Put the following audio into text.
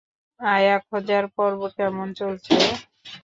আয়া খোঁজার পর্ব কেমন চলছে?